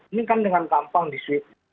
ini kan dengan gampang disuit